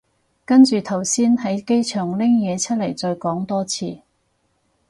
跟住頭先喺機場拎嘢出嚟再講多次